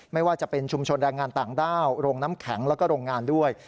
ไม่ว่าจะเป็นชุมชนแรงงานต่างด้าวโรงน้ำแข็งแล้วก็โรงงานด้วย